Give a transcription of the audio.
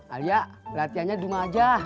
alia latihannya di rumah aja